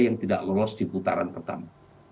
yang tidak lolos di putaran pertama